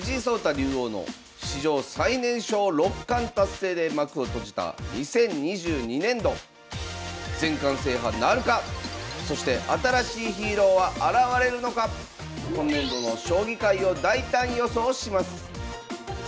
竜王の史上最年少六冠達成で幕を閉じた２０２２年度そして新しいヒーローは現れるのか⁉今年度の将棋界を大胆予想します